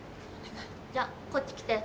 じゃあこっち来て。